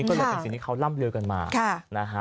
ก็เลยเป็นสิ่งที่เขาร่ำลือกันมานะฮะ